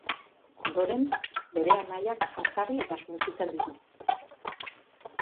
Ondoren, bere anaiak jazarri eta suntsitzen ditu.